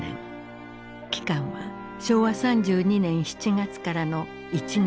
期間は昭和３２年７月からの１年半。